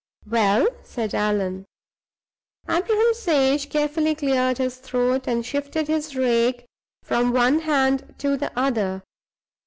"Well?" said Allan. Abraham Sage carefully cleared his throat, and shifted his rake from one hand to the other.